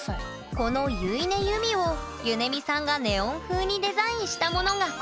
この結音ゆみをゆねみさんがネオン風にデザインしたものがこちら。